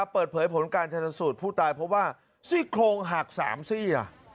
เปิดเผยผลการชนสูตรผู้ตายเพราะว่าซี่โครงหัก๓ซี่